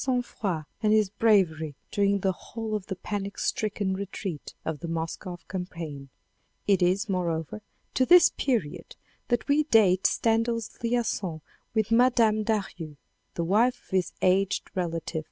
INTRODUCTION his sang froid and his bravery during the whole of the panic stricken retreat of the Moscow campaign. It is, moreover, to this period that we date Stendhal's liaison with Mme. Daru the wife of his aged relative, M.